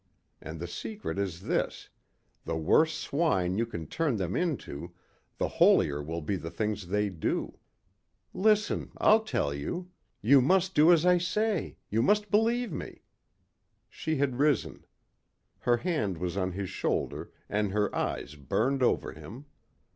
And the secret is this the worse swine you can turn them into, the holier will be the things they do. Listen, I'll tell you.... You must do as I say.... You must believe me...." She had risen. Her hand was on his shoulder and her eyes burned over him.